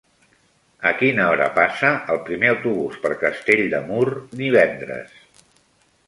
A quina hora passa el primer autobús per Castell de Mur divendres?